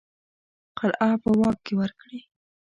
قلعه په واک کې ورکړي.